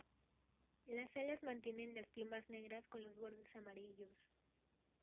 Las alas mantienen las plumas negras con los bordes amarillos.